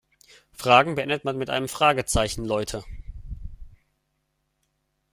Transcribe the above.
Fragen beendet man mit einem Fragezeichen, Leute!